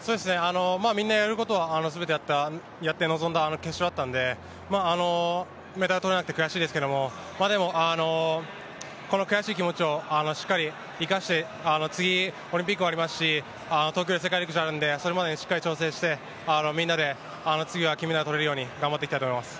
みんなやることは全てやって臨んだ決勝だったので、メダル取れなくて悔しいですけど、この悔しい気持ちをしっかり生かして、次、オリンピックもありますし東京で世界陸上あるんでそれまでに調整してみんなで次は金メダル取れるように頑張っていきたいと思います。